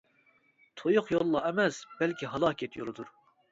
تۇيۇق يوللا ئەمەس، بەلكى ھالاكەت يولىدۇر.